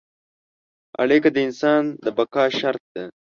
اړیکه د انسان د بقا شرط ده.